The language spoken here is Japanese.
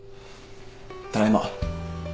ただいま。